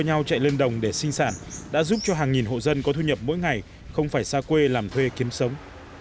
nhau chạy lên đồng để sinh sản đã giúp cho hàng nghìn hộ dân có thu nhập mỗi ngày không phải xa quê làm thuê kiếm sống